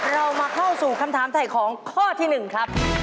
เรามาเข้าสู่คำถามถ่ายของข้อที่๑ครับ